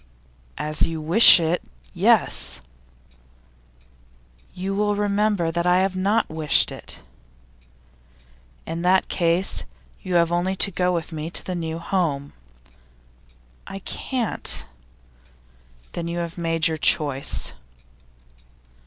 'As you wish it yes.' 'You will remember that I have not wished it.' 'In that case, you have only to go with me to the new home.' 'I can't.' 'Then you have made your choice.